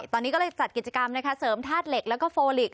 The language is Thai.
ตอนนี้ก็เลยจัดกิจกรรมนะคะเสริมธาตุเหล็กแล้วก็โฟลิก